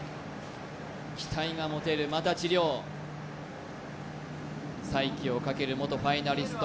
期待が持てる又地諒再起をかける元ファイナリスト